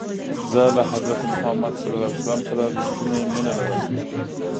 زه له حضرت محمد ص سره رښتنی مینه لرم.